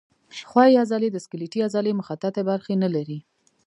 ښویې عضلې د سکلیټي عضلې مخططې برخې نه لري.